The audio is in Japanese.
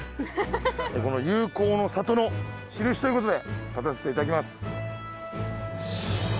この友好の里の印ということで立たせていただきます。